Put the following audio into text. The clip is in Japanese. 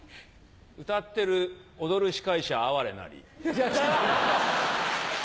歌ってる踊る司会者哀れなり。